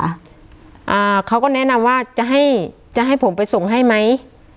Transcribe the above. อ่าเขาก็แนะนำว่าจะให้จะให้ผมไปส่งให้ไหม